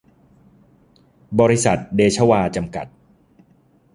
บริษัท เดชวา จำกัด